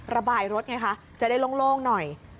ระบายรถไงคะจะได้โล่งหน่อย